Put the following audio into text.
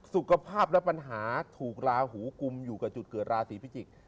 สุขภาพและปัญหาถูกราหูกุมอยู่กับจุดเกิดราศีพิจิกษ์